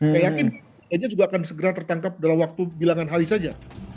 saya yakin enya juga akan segera tertangkap dalam waktu bilangan hari saja